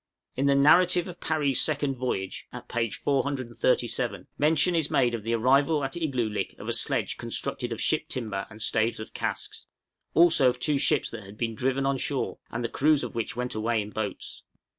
In the 'Narrative of Parry's Second Voyage,' at p. 437, mention is made of the arrival at Igloolik of a sledge constructed of ship timber and staves of casks; also of two ships that had been driven on shore, and the crews of which went away in boats.